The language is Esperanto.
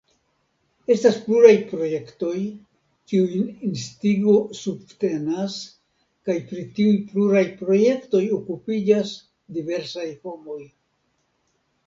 Estas pluraj projektoj, kiujn Instigo subtenas, kaj pri tiuj pluraj projektoj okupiĝas diversaj homoj.